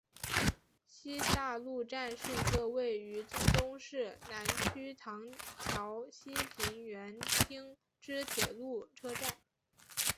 西大路站是一个位于京都市南区唐桥西平垣町之铁路车站。